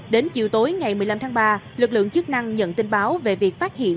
đến chiều tối ngày một mươi năm tháng ba lực lượng chức năng nhận tin báo về việc phát hiện